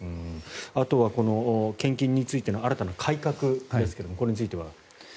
あとは献金についての新たな改革ですけれどもこれについては。